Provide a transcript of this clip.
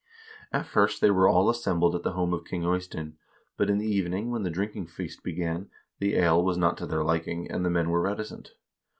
At first they were all assembled at the home of King Eystein; but in the evening when the drinking feast began, the ale was not to their liking, and the men were reticent.